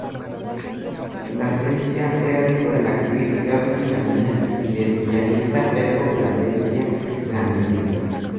Plascencia era hijo de la actriz Carmen Salinas y del pianista Pedro Plascencia Ramírez.